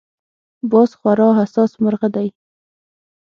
باز خورا حساس مرغه دی